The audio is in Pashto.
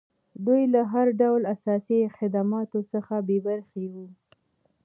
دوی له هر ډول اساسي خدماتو څخه بې برخې وو.